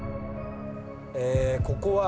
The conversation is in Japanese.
ここは。